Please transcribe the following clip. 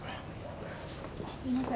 すいません。